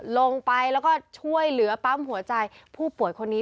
ลงไปแล้วก็ช่วยเหลือปั๊มหัวใจผู้ป่วยคนนี้